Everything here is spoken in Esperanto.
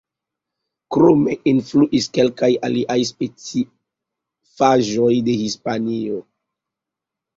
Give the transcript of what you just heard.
Krome, influis kelkaj aliaj specifaĵoj de Hispanio.